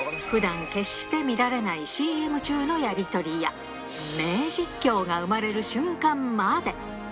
ふだん、決して見られないＣＭ中のやり取りや、名実況が生まれる瞬間まで。